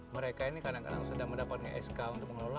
mereka ini kadang kadang sudah mendapatkan sk untuk mengelola